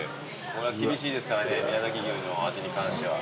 これは厳しいですからね宮崎牛の味に関しては。